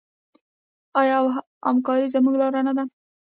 آیا او همکاري زموږ لاره نه ده؟